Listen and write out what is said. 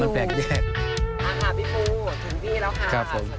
มันแปลกแยก